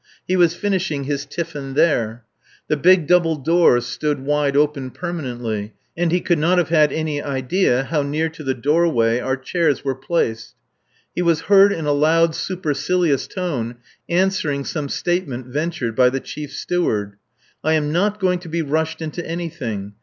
He was finishing his tiffin there. The big double doors stood wide open permanently, and he could not have had any idea how near to the doorway our chairs were placed. He was heard in a loud, supercilious tone answering some statement ventured by the Chief Steward. "I am not going to be rushed into anything.